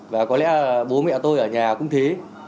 và có lẽ là bố mẹ tôi ở nhà cũng thế